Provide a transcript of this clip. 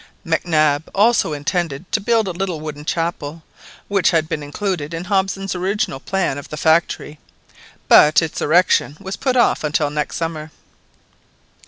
Mac Nab also intended to build a little wooden chapel, which had been included in Hobson's original plan of the factory; but its erection was put off until the next summer.